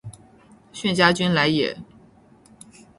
炫家军来也！